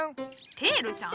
テールちゃん？